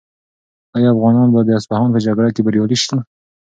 آیا افغانان به د اصفهان په جګړه کې بریالي شي؟